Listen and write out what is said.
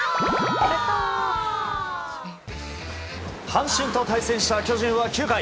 阪神と対戦した巨人は９回。